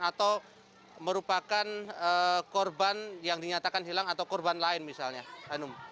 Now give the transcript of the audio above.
atau merupakan korban yang dinyatakan hilang atau korban lain misalnya hanum